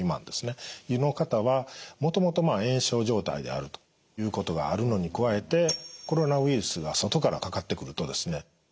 という方はもともと炎症状態であるということがあるのに加えてコロナウイルスが外からかかってくるとですね